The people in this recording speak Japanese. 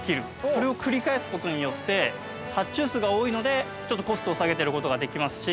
それをくり返すことによって、発注数が多いので、ちょっとコストを下げてることができますし。